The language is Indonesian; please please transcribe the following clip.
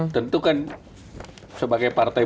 tentu kan sebagai partai